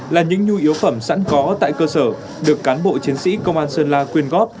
là những nhu yếu phẩm sẵn có tại cơ sở được cán bộ chiến sĩ công an sơn la quyên góp